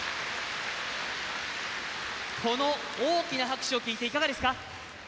この大きな拍手を聞いていかがですか。